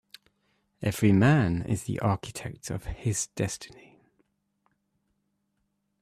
Every man is the architect of his destiny.